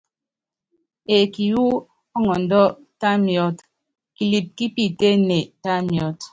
Eeki wú ɔŋɔndɔ́, ta miɔ́t, kilɛp kí piitéénée, tá miɔ́t.